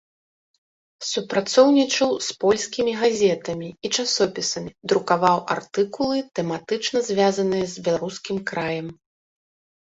Супрацоўнічаў з польскімі газетамі і часопісамі, друкаваў артыкулы тэматычна звязаныя з беларускім краем.